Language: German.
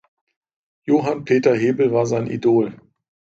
Johann Peter Hebel war sein Idol.